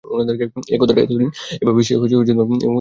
এ কথাটা এতদিন এভাবে সে ভাবিয়া দেখে নাই।